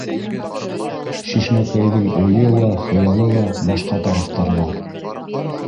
Шишмәкәйҙең уйы ла, хыялы ла башҡа тарафтарҙа...